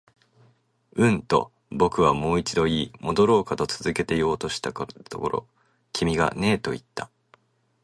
うん、と僕はもう一度言い、戻ろうかと続けて言おうとしたところ、君がねえと言った